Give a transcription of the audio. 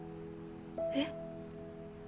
えっ？